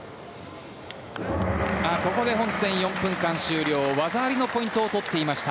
ここで本戦４分間終了技ありのポイントを取っていました。